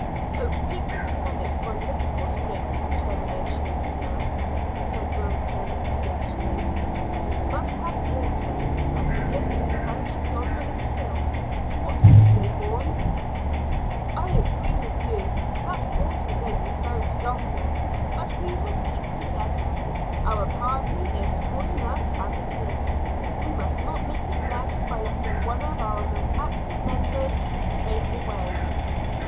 "Oh! give me credit for a little more strength and determination, sir," said Wilton petulantly. "We must have water, and it is to be found up yonder in the hills. What do you say, Bourne?" "I agree with you that water may be found yonder, but we must keep together. Our party is small enough as it is; we must not make it less by letting one of our most active members break away."